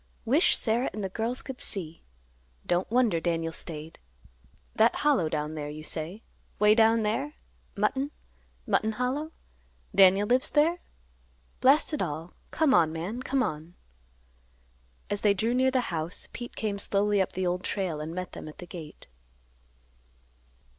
Wish Sarah and the girls could see. Don't wonder Daniel staid. That Hollow down there you say; way down there? Mutton—Mutton Hollow? Daniel lives there? Blast it all; come on, man; come on." As they drew near the house, Pete came slowly up the Old Trail and met them at the gate.